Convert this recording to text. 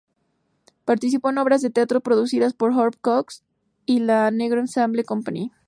Participó en obras de teatro producidas por Robert Hooks y la Negro Ensemble Company.